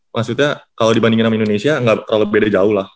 maksudnya kalau dibandingin sama indonesia nggak terlalu beda jauh lah